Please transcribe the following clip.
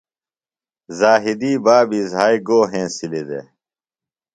ذاہدی بابی زھائی گو ہنسِلیۡ دےۡ؟